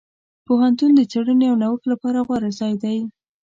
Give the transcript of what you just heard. پوهنتون د څېړنې او نوښت لپاره غوره ځای دی.